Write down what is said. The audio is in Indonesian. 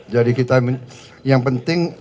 jadi kita yang penting